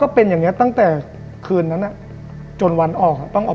โอ้โห